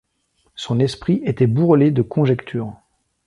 Son esprit était bourrelé de conjectures.